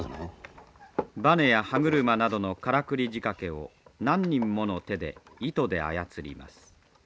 バネや歯車などのからくり仕掛けを何人もの手で糸で操ります。